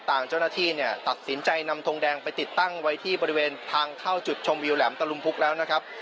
เจ้าหน้าที่เนี่ยตัดสินใจนำทงแดงไปติดตั้งไว้ที่บริเวณทางเข้าจุดชมวิวแหลมตะลุมพุกแล้วนะครับ